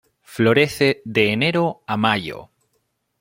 Florece de enero a mayo.